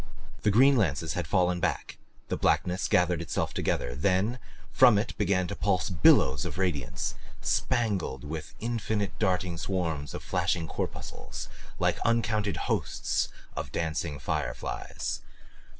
The green lances had fallen back. The blackness gathered itself together then from it began to pulse billows of radiance, spangled with infinite darting swarms of flashing corpuscles like uncounted hosts of dancing fireflies.